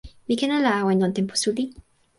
mi ken ala awen lon tenpo suli.